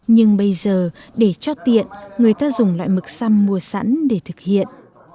nhưng bây giờ để cho tiện người ta dùng loại mực xăm mua sẵn để thực hiện